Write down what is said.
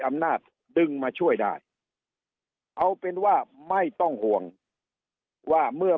อำนาจดึงมาช่วยได้เอาเป็นว่าไม่ต้องห่วงว่าเมื่อ